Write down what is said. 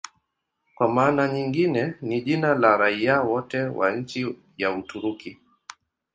Kwa maana nyingine ni jina la raia wote wa nchi ya Uturuki.